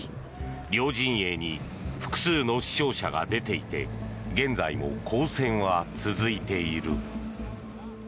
両陣営に複数の死傷者が出ていて現在も交戦は続いている。